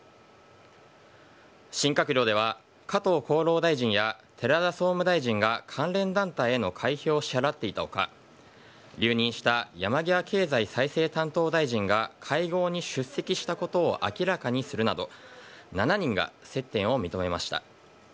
新閣僚では加藤厚労大臣や寺田総務大臣が関連団体への会費を支払っていた他留任した山際経済再生担当大臣が会合に出席したことを明らかにするなど７人が接点を認めました。